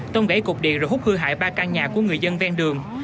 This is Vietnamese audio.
tông gãy cột điện rồi hút hư hại ba căn nhà của người dân ven đường